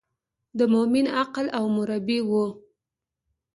د مومن عقل او مربي و.